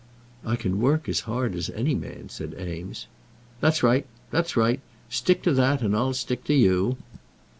"I can work as hard as any man," said Eames. "That's right. That's right. Stick to that and I'll stick to you.